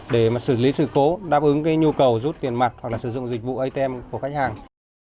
để mà xử lý sự cố đáp ứng cái nhu cầu rút tiền mặt hoặc là sử dụng dịch vụ atm của khách hàng